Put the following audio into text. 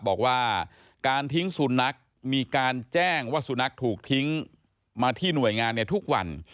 บอกว่าการทิ้งสุนัขมีการแจ้งว่าสุนัขถูกทิ้งมาที่หน่วยงานในทุกวัน